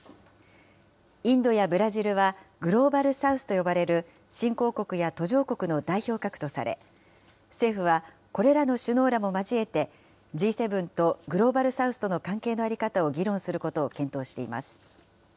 インドやブラジルは、グローバル・サウスと呼ばれる新興国や途上国の代表格とされ、政府は、これらの首脳らも交えて、Ｇ７とグローバル・サウスとの関係の在り方を議論することを検討しています。